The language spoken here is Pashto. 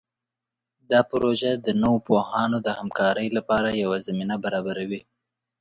دا پروژه د نوو پوهانو د همکارۍ لپاره یوه زمینه برابروي.